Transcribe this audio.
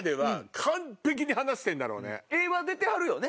絵は出てはるよね。